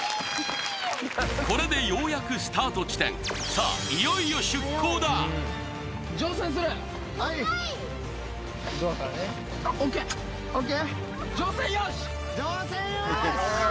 これでようやくスタート地点さあはい！ＯＫ！ＯＫ？